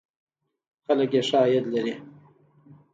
خلک یې ښه عاید لري.